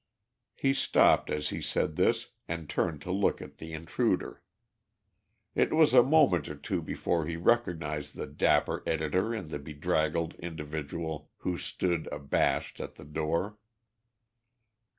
He stopped as he said this, and turned to look at the intruder. It was a moment or two before he recognised the dapper editor in the bedraggled individual who stood, abashed, at the door.